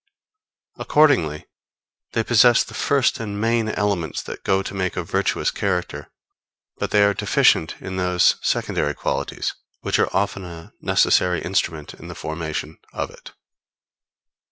Accordingly, they possess the first and main elements that go to make a virtuous character, but they are deficient in those secondary qualities which are often a necessary instrument in the formation of it.